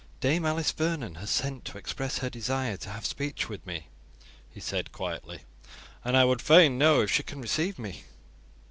"Dame Alice Vernon has sent to express her desire to have speech with me," he said quietly, "and I would fain know if she can receive me."